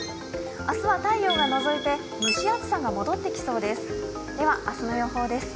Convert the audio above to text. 明日は太陽がのぞいて蒸し暑さが戻ってきそうです。